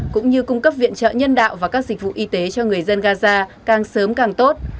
cũng như cung cấp viện trợ nhân đạo và các dịch vụ y tế cho người dân gaza càng sớm càng tốt